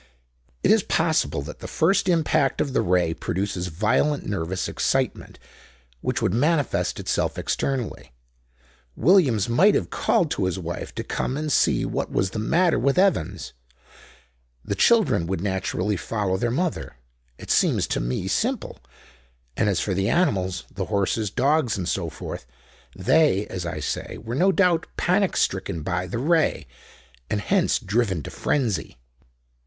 "It is possible that the first impact of the Ray produces violent nervous excitement, which would manifest itself externally. Williams might have called to his wife to come and see what was the matter with Evans. The children would naturally follow their mother. It seems to me simple. And as for the animals—the horses, dogs, and so forth, they as I say, were no doubt panic stricken by the Ray, and hence driven to frenzy."